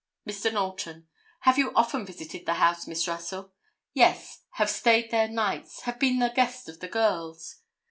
Mr. Knowlton—"Have you often visited the house, Miss Russell?" "Yes; have stayed there nights. Have been the guest of the girls.